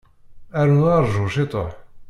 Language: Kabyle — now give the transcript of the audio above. Rnu rju ciṭuḥ.